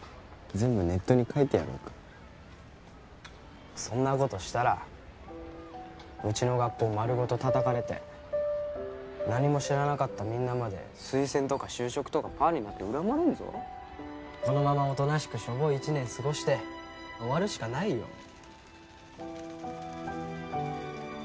全部ネットに書いてやろうかそんなことしたらうちの学校まるごと叩かれて何も知らなかったみんなまで推薦とか就職とかパーになって恨まれんぞこのままおとなしくしょぼい１年過ごして終わるしかないよ